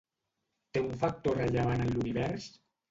Té un factor rellevant en l'univers?